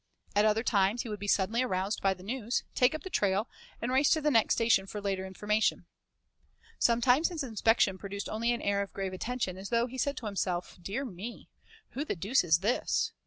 At other times he would be suddenly aroused by the news, take up the trail, and race to the next station for later information. Sometimes his inspection produced only an air of grave attention, as though he said to himself, "Dear me, who the deuce is this?"